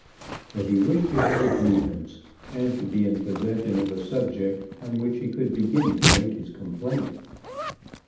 But he wished to have a grievance, and to be in possession of a subject on which he could begin to make his complaint.